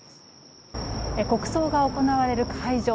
国葬が行われる会場